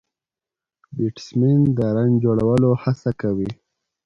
بيټسمېن د رن جوړولو هڅه کوي.